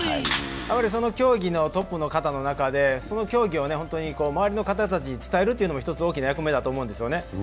その競技のトップの方でその競技を本当に周りの方たちに伝えるというのも大きな役割だと思うんですね。